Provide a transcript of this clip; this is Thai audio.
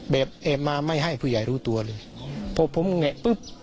แบบแอบมาไม่ให้ผู้ใหญ่รู้ตัวเลยพอผมแงะปุ๊บ